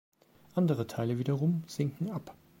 Andere Teile wiederum sinken ab.